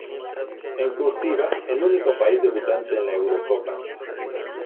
En "cursiva" el único país debutante en la Eurocopa.